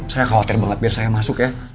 saya khawatir banget biar saya masuk ya